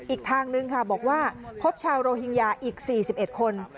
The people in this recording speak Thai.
อีกทางนึงค่ะบอกว่าพบชาวโรฮิงญาอีก๔๑คน